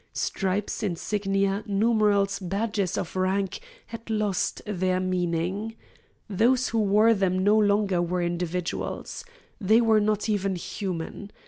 Stripes, insignia, numerals, badges of rank, had lost their meaning. Those who wore them no longer were individuals. They were not even human.